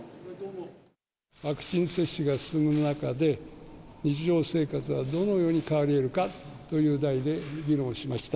ワクチン接種が進む中で、日常生活はどのように変わりえるかという題で議論しました。